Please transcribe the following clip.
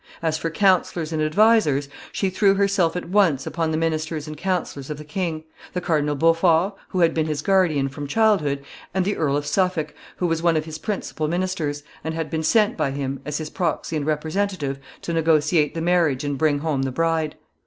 As for counselors and advisers, she threw herself at once upon the ministers and counselors of the king the Cardinal Beaufort, who had been his guardian from childhood, and the Earl of Suffolk, who was one of his principal ministers, and had been sent by him, as his proxy and representative, to negotiate the marriage and bring home the bride.